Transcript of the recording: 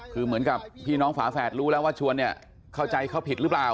คือเหมือนกับพี่น้องฝาแฝดรู้แล้วว่าชวนเนี่ยเข้าใจเขาผิดหรือเปล่า